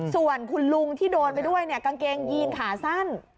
ส่วนคุณลุงที่โดนไปด้วยเนี่ยกางเกงยีนขาสั้น